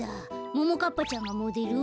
ももかっぱちゃんがモデル？